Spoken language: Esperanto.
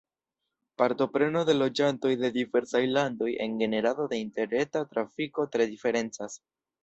Partopreno de loĝantoj de diversaj landoj en generado de interreta trafiko tre diferencas.